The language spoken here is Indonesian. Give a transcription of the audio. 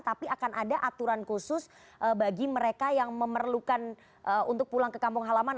tapi akan ada aturan khusus bagi mereka yang memerlukan untuk pulang ke kampung halaman